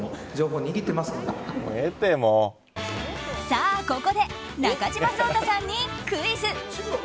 さあ、ここで中島颯太さんにクイズ！